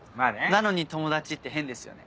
なのに友達って変ですよね。